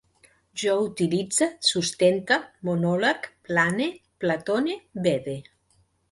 Jo utilitze, sustente, monologue, plane, platone, vede